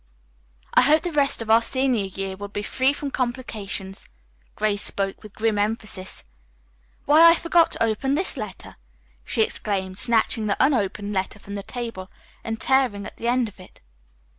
"I hope the rest of our senior year will be free from complications." Grace spoke with grim emphasis. "Why, I forgot to open this letter!" she exclaimed, snatching the unopened letter from the table and tearing at the end of it.